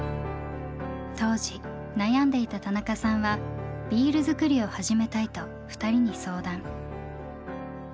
当時悩んでいた田中さんはビール造りを始めたいと２人に相談。